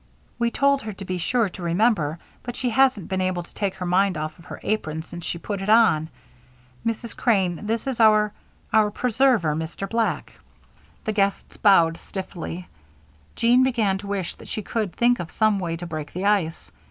We told her to be sure to remember, but she hasn't been able to take her mind off of her apron since she put it on. Mrs. Crane, this is our our preserver, Mr. Black." The guests bowed stiffly. Jean began to wish that she could think of some way to break the ice.